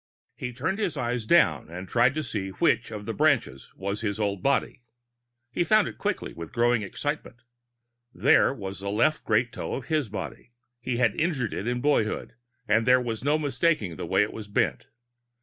He turned his eyes down and tried to see which of the branches was his old body. He found it quickly, with growing excitement. There was the left great toe of his body. He had injured it in boyhood and there was no mistaking the way it was bent.